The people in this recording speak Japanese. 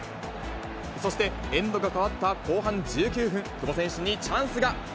そして、エンドが変わった後半１９分、久保選手にチャンスが。